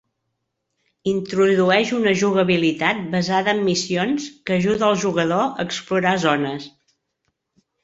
Introdueix una jugabilitat basada en missions que ajuda el jugador a explorar zones.